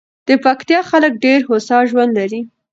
د پکتیکا خلک ډېر هوسا ژوند لري.